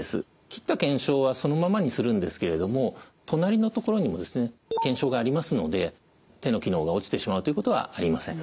切った腱鞘はそのままにするんですけれども隣のところにも腱鞘がありますので手の機能が落ちてしまうということはありません。